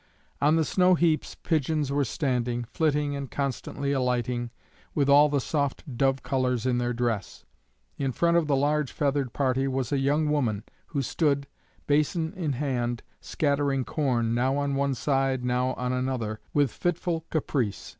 On the snow heaps pigeons were standing flitting and constantly alighting with all the soft dove colours in their dress. In front of the large feathered party was a young woman who stood, basin in hand, scattering corn, now on one side, now on another, with fitful caprice.